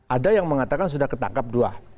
ada yang mengatakan sudah ketangkap dua